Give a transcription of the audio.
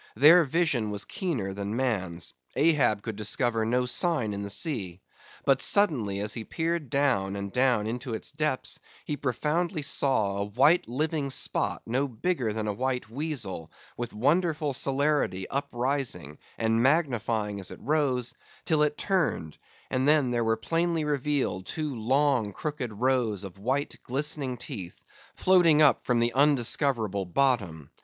Their vision was keener than man's; Ahab could discover no sign in the sea. But suddenly as he peered down and down into its depths, he profoundly saw a white living spot no bigger than a white weasel, with wonderful celerity uprising, and magnifying as it rose, till it turned, and then there were plainly revealed two long crooked rows of white, glistening teeth, floating up from the undiscoverable bottom.